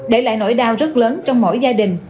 để lại nỗi đau rất lớn trong mỗi gia đình